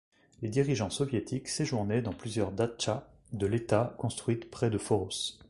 Les dirigeants soviétiques séjournaient dans plusieurs datchas de l'État construites près de Foros.